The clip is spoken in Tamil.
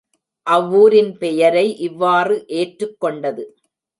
அவ்வூரின் பெயரை இவ்வாறு ஏற்றுக் கொண்டது.